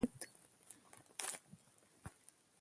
په صحراء کې د شپې وخت یو خیال انگیز حالت لري.